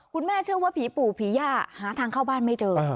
คุณแม่เชื่อว่าผีปู่ผีหญ้าหาทางเข้าบ้านไม่เจอ